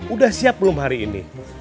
udah siap belum hari ini